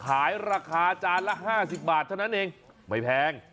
ขายราคาจานละ๕๐บาทเท่านั้นเองไม่แพง